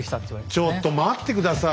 ちょっと待って下さい！